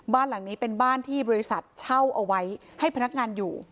บ้านหลังนี้เป็นบ้านที่บริษัทเช่าเอาไว้ให้พนักงานอยู่